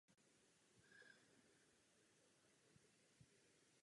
Mimo to uživatelům nabízí desítky online televizí a webových kamer z celého světa.